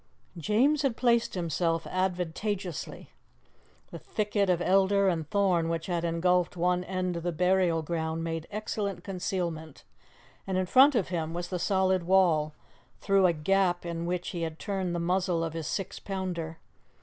James had placed himself advantageously. The thicket of elder and thorn which had engulfed one end of the burial ground made excellent concealment, and in front of him was the solid wall, through a gap in which he had turned the muzzle of his six pounder.